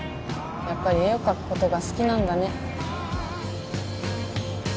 やっぱり絵を描くことが好きなんだね